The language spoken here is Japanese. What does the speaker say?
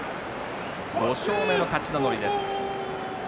５勝目の勝ち名乗りです。